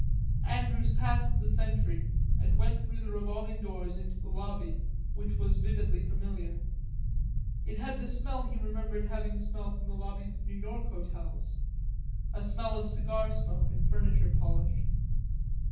Andrews passed the sentry and went through the revolving doors into the lobby, which was vividly familiar. It had the smell he remembered having smelt in the lobbies of New York hotels, a smell of cigar smoke and furniture polish.